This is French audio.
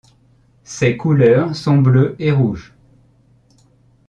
Ses couleurs sont bleu et rouge.